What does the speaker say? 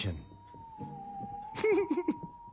フフフ。